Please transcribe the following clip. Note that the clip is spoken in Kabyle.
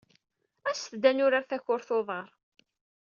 Aset-d ad nurar takurt n uḍar!